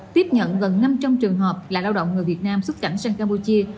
tiếp nhận gần năm trăm linh trường hợp là lao động người việt nam xuất cảnh sang campuchia